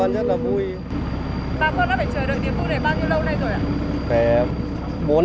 bà con đã phải chờ đợi tiền phụ này bao nhiêu lâu nay rồi ạ